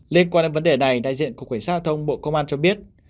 liên quan đến vấn đề này đại diện cục quyền sát thông bộ công an cho biết